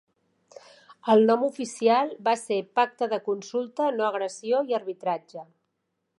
El nom oficial va ser "Pacte de consulta, no agressió i arbitratge".